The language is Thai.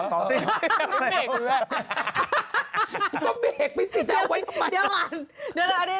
ก็เบรกไปสิจะเอาไว้ทำไม